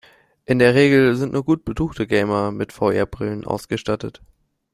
In der Regel sind nur gut betuchte Gamer mit VR-Brillen ausgestattet.